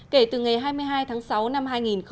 kể từ ngày hai mươi hai tháng sáu năm hai nghìn một mươi chín